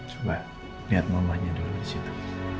coba liat mamanya dulu disitu